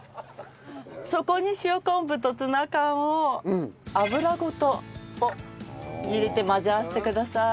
そこに塩昆布とツナ缶を油ごと入れて混ぜ合わせてください。